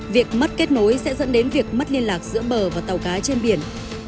việc mất kết nối sẽ dẫn đến việc mất liên lạc giữa bờ và tàu cá trên biển